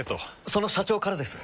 その社長からです。